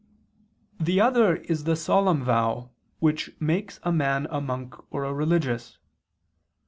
The other is the solemn vow which makes a man a monk or a religious.